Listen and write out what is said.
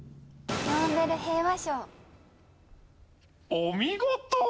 お見事！